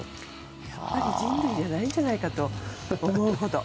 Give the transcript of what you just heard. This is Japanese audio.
やっぱり人類じゃないんじゃないかと思うほど。